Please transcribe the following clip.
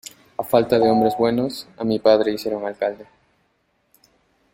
A falta de hombres buenos, a mi padre hicieron alcalde.